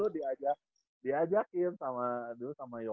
dulu diajakin sama dulu sama yobel